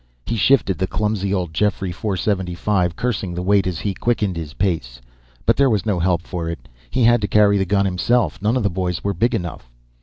He shifted the clumsy old Jeffrey .475, cursing the weight as he quickened his pace. But there was no help for it, he had to carry the gun himself. None of the boys were big enough.